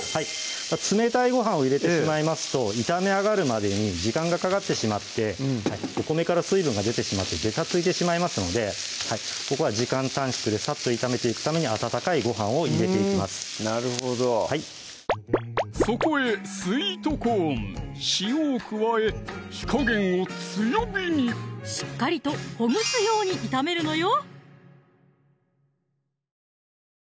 冷たいご飯を入れてしまいますと炒め上がるまでに時間がかかってしまってお米から水分が出てしまってべたついてしまいますのでここは時間短縮でさっと炒めていくために温かいご飯を入れていきますなるほどそこへスイートコーン・塩を加え火加減を強火にしっかりとほぐすように炒めるのよ